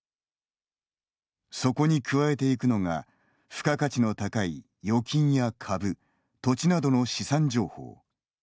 そこに加えていくのが付加価値の高い預金や株土地などの資産情報。